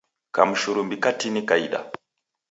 Kamshurumbi katini kaida.